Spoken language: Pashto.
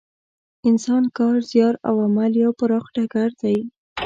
انسان کار، زیار او عمل یو پراخ ډګر دی.